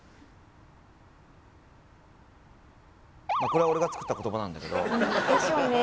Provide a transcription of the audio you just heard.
これは俺が作った言葉なんだけどでしょうね